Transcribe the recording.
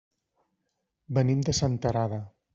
Venim de Senterada.